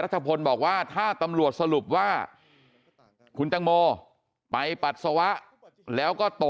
พลบอกว่าถ้าตำรวจสรุปว่าคุณตังโมไปปัสสาวะแล้วก็โต